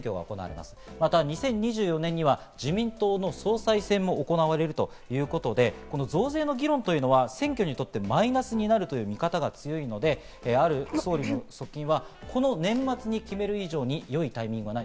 また２０２４年には自民党の総裁選も行われるということで、増税の議論というのは選挙にとってマイナスになるという見方が強いので、ある総理の側近はこの年末に決める以上に良いタイミングはない。